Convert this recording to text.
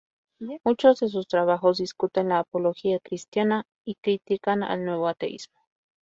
Muchos de sus trabajos discuten la apología cristiana y critican al nuevo ateísmo.